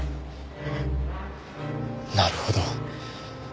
なるほど。